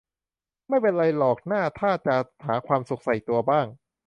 ไม่เป็นไรหรอกน่าถ้าจะหาความสุขใส่ตัวบ้าง